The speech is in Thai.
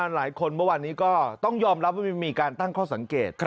หลายคนเมื่อวานนี้ก็ต้องยอมรับว่ามีการตั้งข้อสังเกต